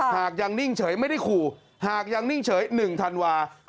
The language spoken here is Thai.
หากยังนิ่งเฉยไม่ได้ขู่หากยังนิ่งเฉย๑ธันวาคม